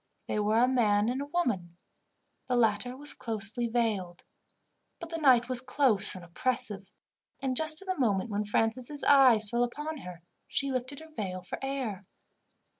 They were a man and a woman. The latter was closely veiled. But the night was close and oppressive, and, just at the moment when Francis' eyes fell upon her, she lifted her veil for air.